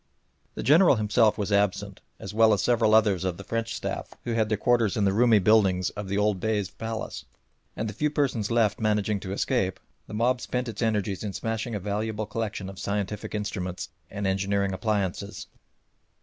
The General himself was absent, as well as several others of the French staff who had their quarters in the roomy buildings of the old Bey's palace, and the few persons left managing to escape, the mob spent its energies in smashing a valuable collection of scientific instruments and engineering appliances.